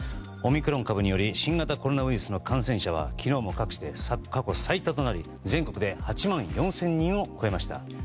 オミクロン株による新型コロナウイルスの感染者は昨日も各地で過去最多となり全国で８万４０００人を超えました。